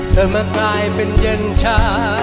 เธอมากลายเป็นเย็นชา